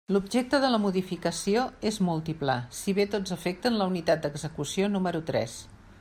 L'objecte de la modificació és múltiple, si bé tots afecten la unitat d'execució número tres.